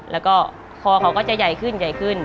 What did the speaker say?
แล้วก็คอเขาก็จะใหญ่ขึ้นใหญ่ขึ้น